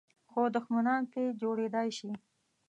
خو دښمنان په جوړېدای شي .